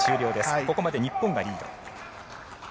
ここまで日本がリード。